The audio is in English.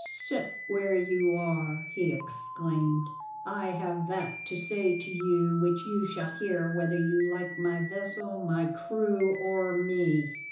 "Sit where you are!" he exclaimed. "I have that to say to you which you shall hear whether you like my vessel, my crew, or me.